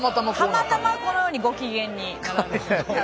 たまたまこのようにご機嫌になられて。